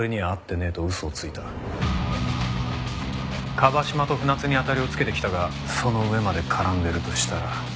椛島と船津に当たりをつけてきたがその上まで絡んでるとしたら？